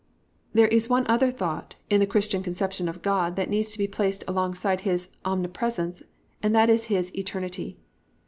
7. There is one other thought in the Christian conception of God that needs to be placed alongside of His omnipresence and that is His eternity.